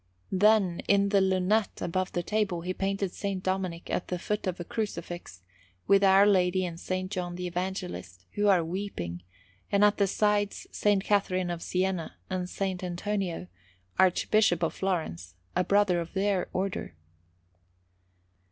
Then, in the lunette above the table, he painted S. Dominic at the foot of a Crucifix, with Our Lady and S. John the Evangelist, who are weeping, and at the sides S. Catherine of Siena and S. Antonino, Archbishop of Florence, a brother of their Order.